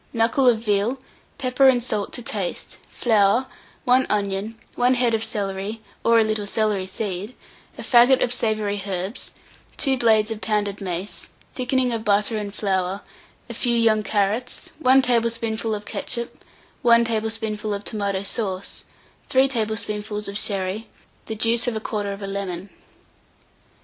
Knuckle of veal, pepper and salt to taste, flour, 1 onion, 1 head of celery, or a little celery seed, a faggot of savoury herbs, 2 blades of pounded mace, thickening of butter and flour, a few young carrots, 1 tablespoonful of ketchup, 1 tablespoonful of tomato sauce, 3 tablespoonfuls of sherry, the juice of 1/4 lemon.